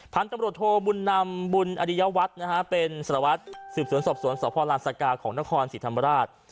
พันธุ์ตำรวจโทบุญนำบุญอริยวัตรนะฮะเป็นสารวัตรสืบสวนสอบสวนสพลานสกาของนครศรีธรรมราช